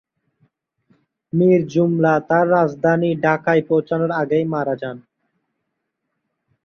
মীর জুমলা তার রাজধানী ঢাকায় পৌঁছানোর আগেই মারা যান।